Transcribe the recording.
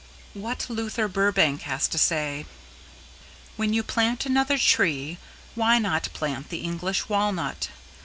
What Luther Burbank has to say: "When you plant another tree, why not plant the English Walnut?